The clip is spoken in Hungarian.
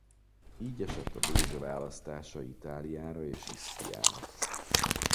Így esett a dózse választása Itáliára és Isztriára.